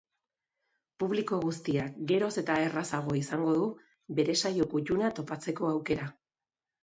Publiko guztiak geroz eta errazago izango du bere saio kuttuna topatzeko aukera.